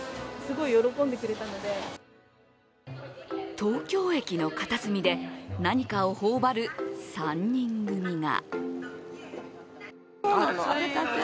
東京駅の片隅で何かを頬張る３人組が。